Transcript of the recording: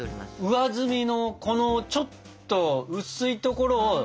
上澄みのこのちょっと薄いところを。